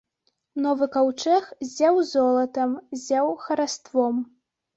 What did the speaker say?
Новы каўчэг ззяў золатам, ззяў хараством.